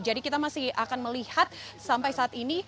jadi kita masih akan melihat sampai saat ini